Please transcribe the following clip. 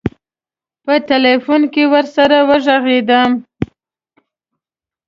په تیلفون کې ورسره وږغېدم.